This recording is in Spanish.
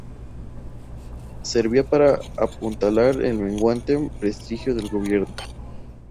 Servía para apuntalar el menguante prestigio del Gobierno.